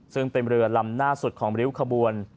ซึ่งเป็นเรือลำหน้าสุดของริ้วขบวน